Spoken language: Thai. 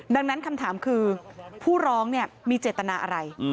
ดังนั้นคำถามคือผู้ร้องมีเจตนาอะไร